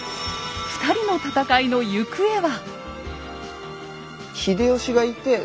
２人の戦いの行方は？